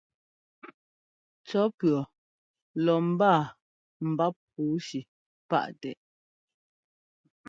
Cɔ́ pʉ̈ɔ lɔ mbáa mbáp pǔushi páʼtɛ́.